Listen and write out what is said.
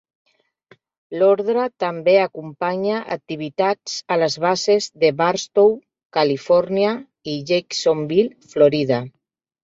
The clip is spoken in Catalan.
L'ordre també acompanya activitats a les bases de Barstow, Califòrnia, i Jacksonville, Florida.